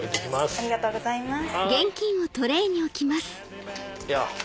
ありがとうございます。